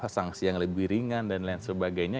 sanksi yang lebih ringan dan lain sebagainya